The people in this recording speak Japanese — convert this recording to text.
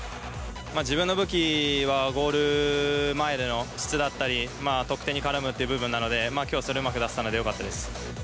自分の武器はゴール前での質だったり、得点に絡むっていう部分なので、きょう、それをうまく出せたのでよかったです。